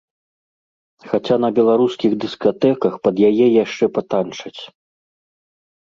Хаця на беларускіх дыскатэках пад яе яшчэ патанчаць.